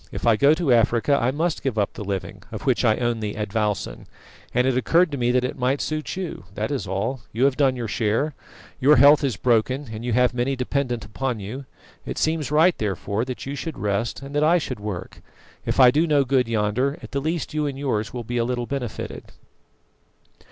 If I go to Africa I must give up the living, of which I own the advowson, and it occurred to me that it might suit you that is all. You have done your share; your health is broken, and you have many dependent upon you. It seems right, therefore, that you should rest, and that I should work. If I do no good yonder, at the least you and yours will be a little benefited."